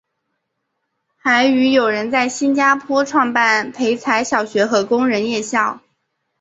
还与友人在新加坡创办培才小学和工人夜校。